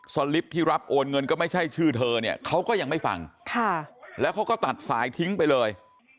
สลิปที่รับโอนเงินก็ไม่ใช่ชื่อเธอเนี่ยเขาก็ยังไม่ฟังแล้วเขาก็ตัดสายทิ้งไปเลย